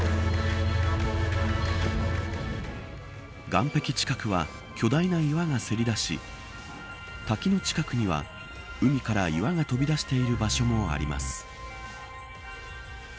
岸壁近くは、巨大な岩がせり出し滝の近くには海から岩が飛び出している場所もあります。